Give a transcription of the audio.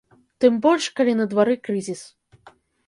Тым больш, калі на двары крызіс.